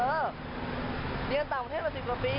เรียนต่อไปมา๑๐กว่าปี